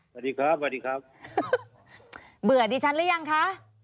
สวัสดีครับสวัสดีครับเบื่อดิฉันหรือยังคะ